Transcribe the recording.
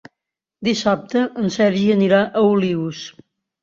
Dissabte en Sergi anirà a Olius.